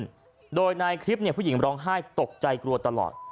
ด้วยโดยในคลิปเนี่ยผู้หญิงร้องไห้ตกใจกลัวตลอด